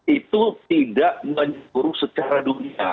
itu tidak menyuruh secara dunia